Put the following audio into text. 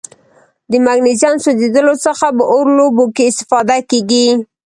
د مګنیزیم سوځیدلو څخه په اور لوبو کې استفاده کیږي.